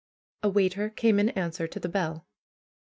A waiter came in answer to the bell.